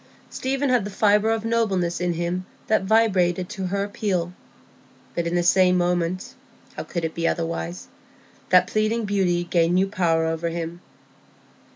Stephen had the fibre of nobleness in him that vibrated to her appeal; but in the same moment—how could it be otherwise?—that pleading beauty gained new power over him.